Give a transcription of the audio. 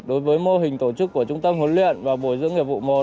đối với mô hình tổ chức của trung tâm huấn luyện và bồi dưỡng nghiệp vụ một